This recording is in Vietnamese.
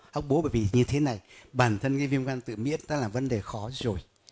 hắc bố bởi vì như thế này bản thân viêm gan tự miễn là vấn đề khó rồi